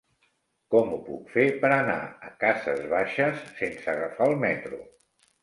Com ho puc fer per anar a Cases Baixes sense agafar el metro?